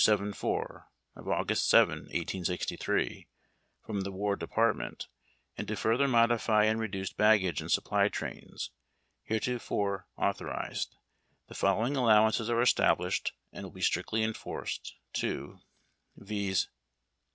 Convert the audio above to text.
274, of August 7, 1863, from the War Department, and to further modify and reduce baggage and supply trains, heretofore authorized, the following allowances are established and will be strictly conformed to, viz.